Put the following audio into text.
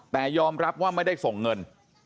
แต่ยอมรับว่าไม่ได้ส่งเงิน